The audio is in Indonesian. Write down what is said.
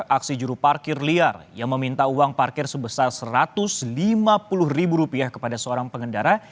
aksi juru parkir liar yang meminta uang parkir sebesar satu ratus lima puluh ribu rupiah kepada seorang pengendara